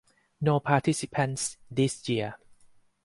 No participants this year.